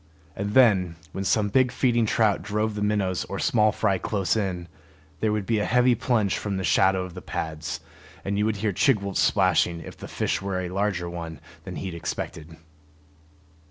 And then, when some big feeding trout drove the minnows or small fry close in, there would be a heavy plunge from the shadow of the pads; and you would hear Chigwooltz splashing if the fish were a larger one than he expected.